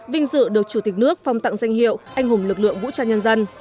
vinh dự được chủ tịch nước phong tặng danh hiệu anh hùng lực lượng vũ trang nhân dân